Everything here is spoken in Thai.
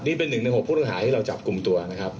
นี่เป็นหนึ่งใน๖ผู้ต้องหาที่เราจับกลุ่มตัวนะครับ